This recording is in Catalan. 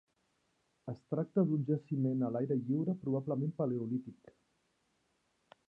Es tracta d'un jaciment a l'aire lliure probablement paleolític.